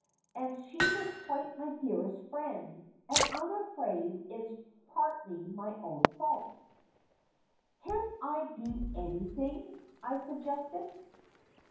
And she was quite my dearest friend, and I'm afraid it's partly my own fault." "Can't I do anything?" I suggested.